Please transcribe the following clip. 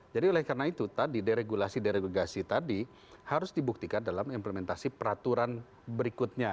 jadi oleh karena itu tadi deregulasi deregulasi tadi harus dibuktikan dalam implementasi peraturan berikutnya